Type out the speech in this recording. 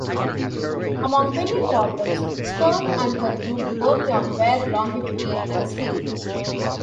Among many problems Stern and her group worked on were longevity and sleep.